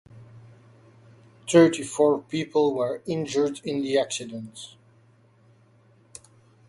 Thirty-four people were injured in the accident.